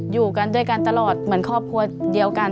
อยู่กันด้วยกันตลอดเหมือนครอบครัวเดียวกัน